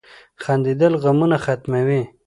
• خندېدل غمونه ختموي.